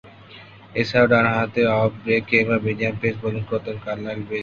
এছাড়াও, ডানহাতে off break কিংবা মিডিয়াম পেস বোলিং করতেন কার্লাইল বেস্ট।